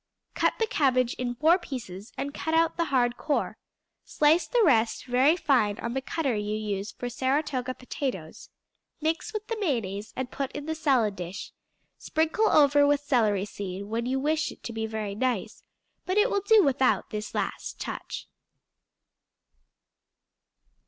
Cut the cabbage in four pieces and cut out the hard core; slice the rest very fine on the cutter you use for Saratoga potatoes; mix with the mayonnaise and put in the salad dish; sprinkle over with celery seed, when you wish it to be very nice, but it will do without this last touch.